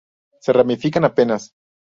Se ramifican apenas.